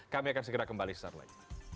kami akan segera kembali sesaat lagi